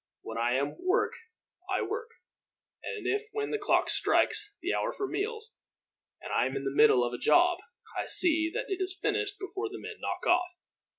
When I am at work I work, and if when the clock strikes the hour for meals I am in the middle of a job, I see that it is finished before the men knock off.